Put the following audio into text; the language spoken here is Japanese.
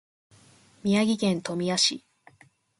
宮城県富谷市